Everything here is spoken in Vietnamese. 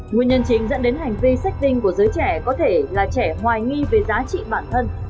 nguyên nhân chính dẫn đến hành vi sách tinh của giới trẻ có thể là trẻ hoài nghi về giá trị bản thân